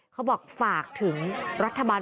เขาบอกฝากถึงรัฐบาล